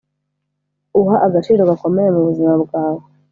uha agaciro gakomeye mu buzima bwawe!